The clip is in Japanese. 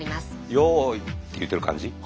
よーいって言うてる感じ。